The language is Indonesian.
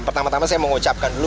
pertama tama saya mengucapkan dulu